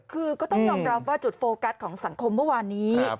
คือก็ต้องยอมรับว่าจุดโฟกัสของสังคมเมื่อวานนี้